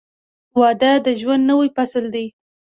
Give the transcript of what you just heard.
• واده د ژوند نوی فصل دی.